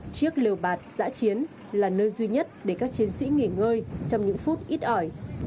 chiếc liều bạt giã chiến là nơi duy nhất để các chiến sĩ nghỉ ngơi trong những phút ít ỏi